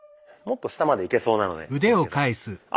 もっと下までいけそうなので浩介さん。